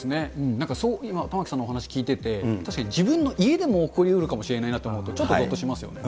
なんか今、玉城さんのお話聞いてて、確かに自分の家でも起こりうるかもしれないなと思うと、ちょっとぞっとしますよね。